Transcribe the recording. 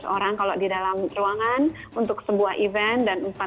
dua ratus orang kalau di dalam ruangan untuk sebuah event